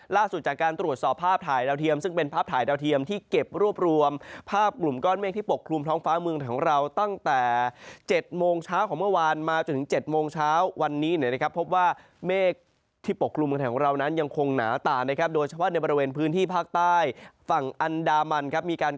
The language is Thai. ล่าสุดจากการตรวจสอบภาพถ่ายดาวเทียมซึ่งเป็นภาพถ่ายดาวเทียมที่เก็บรวบรวมภาพกลุ่มก้อนเมฆที่ปกคลุมท้องฟ้าเมืองของเราตั้งแต่๗โมงเช้าของเมื่อวานมาจนถึง๗โมงเช้าวันนี้เนี่ยนะครับพบว่าเมฆที่ปกคลุมเมืองไทยของเรานั้นยังคงหนาตานะครับโดยเฉพาะในบริเวณพื้นที่ภาคใต้ฝั่งอันดามันครับมีการ